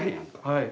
はい。